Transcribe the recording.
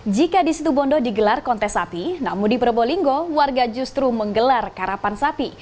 jika di situ bondo digelar kontes sapi namun di probolinggo warga justru menggelar karapan sapi